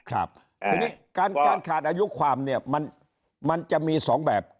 ครับการการขาดอายุความเนี่ยมันมันจะมีสองแบบคือ